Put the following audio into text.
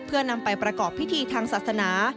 เพื่อนำไปประกอบพิธีทางศาสนา